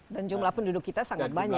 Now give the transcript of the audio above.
dan jumlah penduduk kita sangat banyak